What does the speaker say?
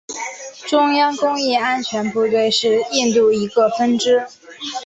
中央工业安全部队是印度一个分支。